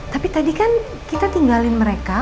tapi tadi kan kita tinggalin mereka